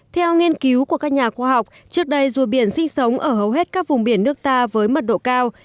theo nghiên cứu của các nhà khoa học trước đây rùa biển sinh sống ở hầu hết các vùng biển nước ta với mật độ cao